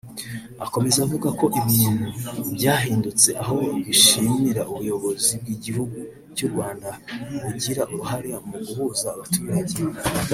Akomeza avuga ko ibintu byahindutse aho bashimira ubuyobozi bw’igihugu cy’u Rwanda bugira uruhare mu guhuza abaturage